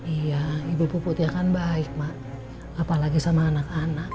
iya ibu puputnya kan baik mbak apalagi sama anak anak